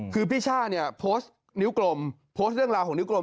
คือพี่ช่าเนี่ยโพสต์นิ้วกลมโพสต์เรื่องราวของนิกลม